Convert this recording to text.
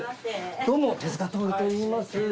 どうも手塚とおるといいます。